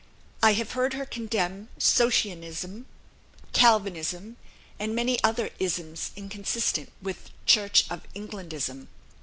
I have heard her condemn Socinianism, Calvinism, and many other 'isms' inconsistent with Church of Englandism.